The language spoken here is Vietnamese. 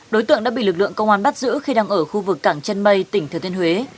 đối tượng đã bị lực lượng công an bắt giữ khi đang ở khu vực cảng chân mây tỉnh thừa thiên huế